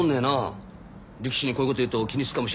力士にこういうこと言うと気にするかもしれないけどなあ。